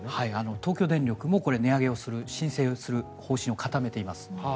東京電力も値上げをする申請をする方針を固めています。